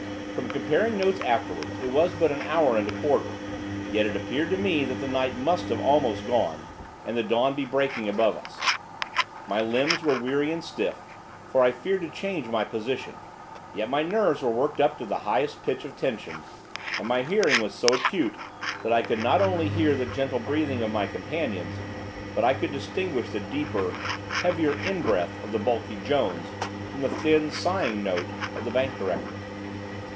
From comparing notes afterwards it was but an hour and a quarter, yet it appeared to me that the night must have almost gone, and the dawn be breaking above us. My limbs were weary and stiff, for I feared to change my position; yet my nerves were worked up to the highest pitch of tension, and my hearing was so acute that I could not only hear the gentle breathing of my companions, but I could distinguish the deeper, heavier in breath of the bulky Jones from the thin, sighing note of the bank director.